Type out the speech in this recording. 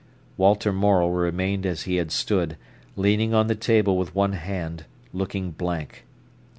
Walter Morel remained as he had stood, leaning on the table with one hand, looking blank.